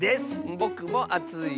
ぼくもあついです。